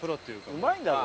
うまいんだぞ。